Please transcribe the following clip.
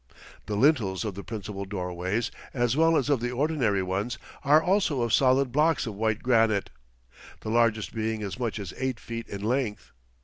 The lintels of the principal doorways, as well as of the ordinary ones, are also of solid blocks of white granite, the largest being as much as eight feet in length.